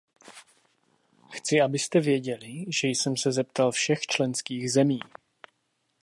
Chci, abyste věděli, že jsem se zeptal všech členských zemí.